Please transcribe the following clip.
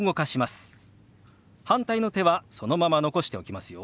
反対の手はそのまま残しておきますよ。